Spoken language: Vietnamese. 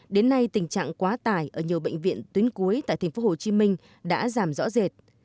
đến nay tình trạng quá tải ở nhiều bệnh viện tuyến cuối tại tp hcm đã giảm rõ rệt